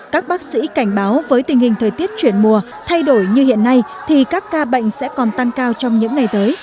các bác sĩ cảnh báo với tình hình thời tiết chuyển mùa thay đổi như hiện nay thì các ca bệnh sẽ còn tăng cao trong những ngày tới